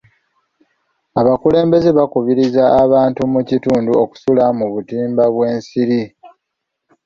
Abakulembeze bakubiriza abantu mu kitundu okusula mu butimba bw'ensiri.